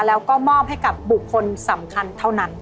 แล้วก็มอบให้กับบุคคลสำคัญเท่านั้น